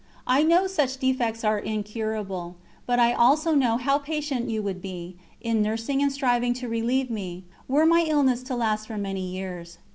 I know such defects are incurable, but I also know how patient you would be, in nursing and striving to relieve me, were my illness to last for many years.